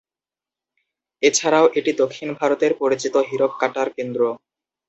এছাড়াও এটি দক্ষিণ ভারতের পরিচিত হীরক কাটার কেন্দ্র।